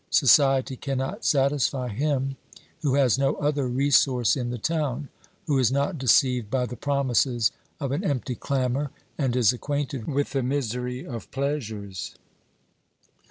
Society cannot satisfy him who has no other resource in the town, who is not deceived by the promises of an empty clamour and is acquainted with the misery of pleasures.